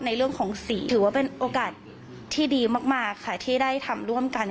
ในเรื่องของสีถือว่าเป็นโอกาสที่ดีมากค่ะที่ได้ทำร่วมกัน